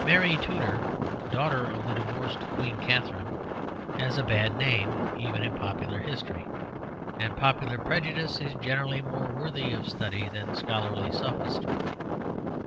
Mary Tudor, daughter of the divorced Queen Katherine, has a bad name even in popular history; and popular prejudice is generally more worthy of study than scholarly sophistry.